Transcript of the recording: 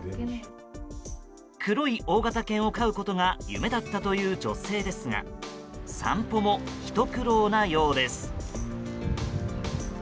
黒い大型犬を飼うことが夢だったという女性ですが散歩もひと苦労なようです。